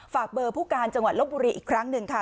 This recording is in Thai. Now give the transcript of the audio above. ฝากเบอร์ผู้การจังหวัดลบบุรีอีกครั้งหนึ่งค่ะ